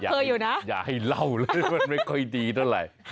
เคยอยู่นะอย่าให้เล่าเลยมันไม่ค่อยดีเท่าไหร่